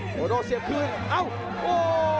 โอโรโน่เสียบคืนเอ้าโอ้